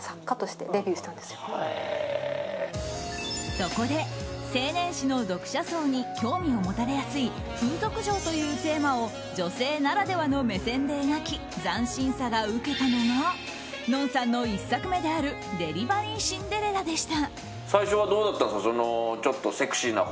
そこで青年誌の読者層に興味を持たれやすい風俗嬢というテーマを女性ならではの目線で描き斬新さがウケたのがＮＯＮさんの１作目である「デリバリーシンデレラ」でした。